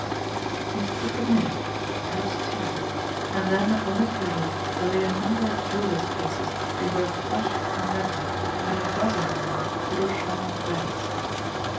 It took a minute, perhaps two; and then upon the table there lay a number of jewellers' cases in both plush and leather, and a dozen or more little chamois bags.